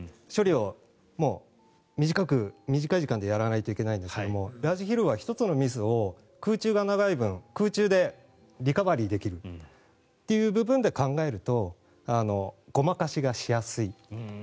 処理を短い時間でやらないといけないんですがラージヒルは１つのミスを空中が長い分空中でリカバリーできるという部分で考えるとごまかしがしやすい。